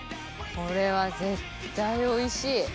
これは絶対おいしい。